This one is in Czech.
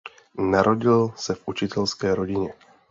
Narodil se v učitelské rodině.